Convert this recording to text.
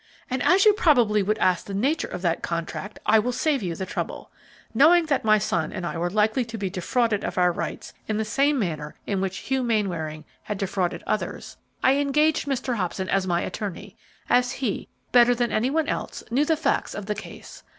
"And as you probably would ask the nature of that contract, I will save you the trouble. Knowing that my son and I were likely to be defrauded of our rights in the same manner in which Hugh Mainwaring had defrauded others, I engaged Mr. Hobson as my attorney, as he, better than any one else, knew the facts in the case.